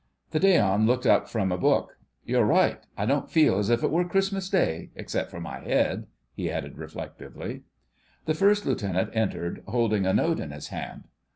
The Day on looked up from a book. "You're right. I don't feel as if it were Christmas day—except for my head," he added reflectively. The First Lieutenant entered, holding a note in his hand.